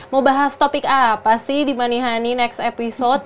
mau bahas topik apa sih di manihani next episode